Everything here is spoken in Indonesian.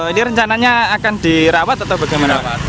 ini rencananya akan dirawat atau bagaimana pak